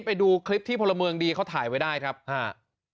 ไปดูคลิปที่พลเมืองดีเขาถ่ายไว้ได้ครับอ่า